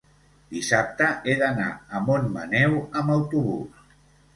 dissabte he d'anar a Montmaneu amb autobús.